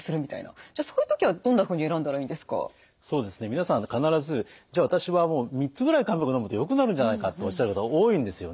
皆さん必ず「じゃあ私はもう３つぐらい漢方薬のむとよくなるんじゃないか」とおっしゃる方多いんですよね。